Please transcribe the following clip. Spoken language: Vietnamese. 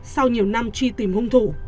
sau nhiều năm truy tìm hung thủ